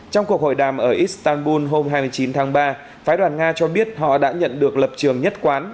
trong cuộc hội đàm ở istanbul hôm hai mươi chín tháng ba phái đoàn nga cho biết họ đã nhận được lập trường nhất quán